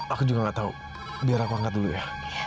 aku juga gak tau biar aku angkat dulu ya